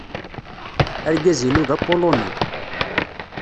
Argaz-inu d apuluni.